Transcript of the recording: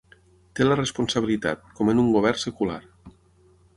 Té la responsabilitat, com en un govern secular.